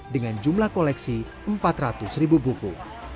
dengan jumlah koleksi empat ratus ribu buku